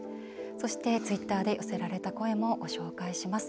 ツイッターで寄せられた声もご紹介します。